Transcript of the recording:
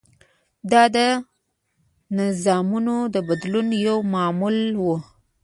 دا د نظامونو د بدلون یو معمول و.